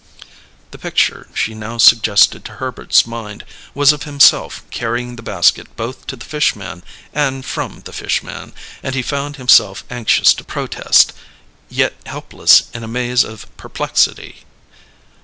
The picture she now suggested to Herbert's mind was of himself carrying the basket both to the fish man and from the fish man: and he found himself anxious to protest, yet helpless in a maze of perplexity.